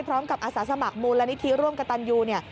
อาสาสมัครมูลนิธิร่วมกับตันยูเนี่ย